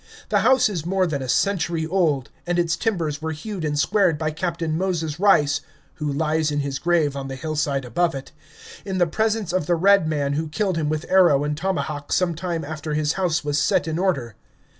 The house is more than a century old, and its timbers were hewed and squared by Captain Moses Rice (who lies in his grave on the hillside above it), in the presence of the Red Man who killed him with arrow and tomahawk some time after his house was set in order.